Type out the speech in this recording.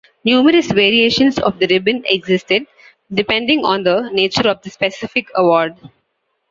Numerous variations of the ribbon existed, depending on the nature of the specific award.